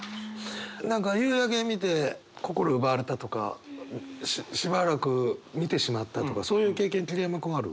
何か夕焼け見て心を奪われたとかしばらく見てしまったとかそういう経験桐山君ある？